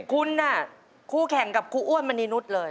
คุณคู่แข่งกับครูอ้วนมณีนุษย์เลย